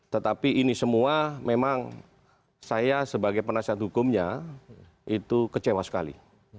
tetapi ini semua memang saya sebagai penasihat hukumnya itu kecewa sekali